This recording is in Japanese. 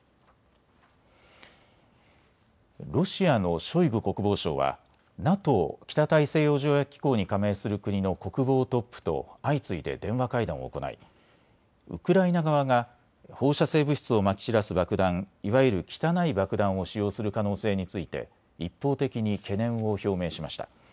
ロシアのショイグ国防相はＮＡＴＯ・北大西洋条約機構に加盟する国の国防トップと相次いで電話会談を行いウクライナ側が放射性物質をまき散らす爆弾、いわゆる汚い爆弾を使用する可能性について一方的に懸念を表明しました。